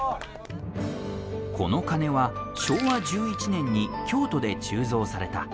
この鐘は昭和１１年に京都で鋳造された。